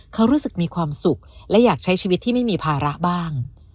เขารู้สึกมีความสุขและอยากใช้ชีวิตที่ไม่มีภาระบ้าง